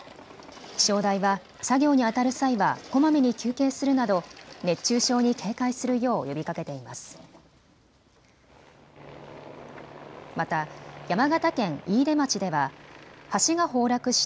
気象台は作業にあたる際はこまめに休憩するなど熱中症に警戒するよう呼びかけています。